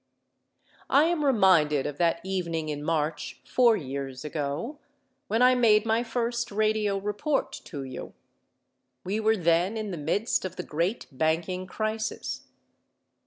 I am reminded of that evening in March, four years ago, when I made my first radio report to you. We were then in the midst of the great banking crisis.